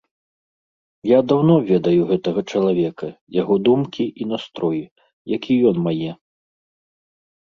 Я даўно ведаю гэтага чалавека, яго думкі і настроі, як і ён мае.